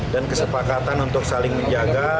dan kesepakatan untuk saling menjaga